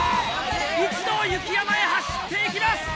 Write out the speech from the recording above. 一同雪山へ走っていきます！